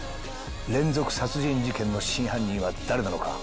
連続殺人事件の真犯人は誰なのか？